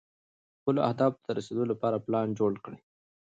خپلو اهدافو ته د رسېدو لپاره پلان جوړ کړئ.